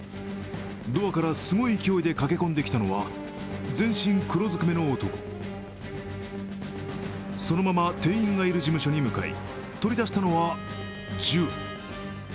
ドアからすごい勢いで駆け込んできたのはそのまま店員がいる事務所に向かい、取り出したのは銃。